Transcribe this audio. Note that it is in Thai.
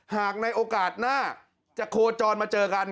หากในโอกาสหน้าจะโคจรมาเจอกัน